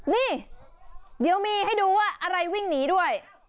นี่เดี๋ยวมีให้ดูว่าอะไรวิ่งหนีด้วย